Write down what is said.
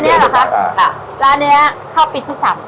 ภายในปีที่สาม